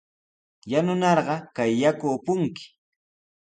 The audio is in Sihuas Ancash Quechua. Yanunarqa kay yaku upunki.